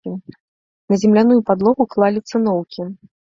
На земляную падлогу клалі цыноўкі.